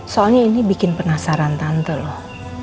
soalnya ini bikin penasaran tante loh